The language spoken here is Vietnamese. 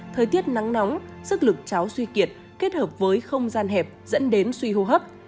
thời tiết nắng nóng sức lực cháu suy kiệt kết hợp với không gian hẹp dẫn đến suy hô hấp